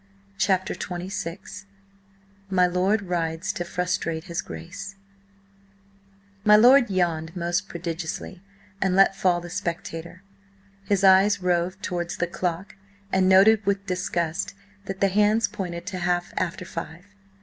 CHAPTER XXVI MY LORD RIDES TO FRUSTRATE HIS GRACE MY LORD yawned most prodigiously and let fall the Spectator. His eyes roved towards the clock, and noted with disgust that the hands pointed to half after five.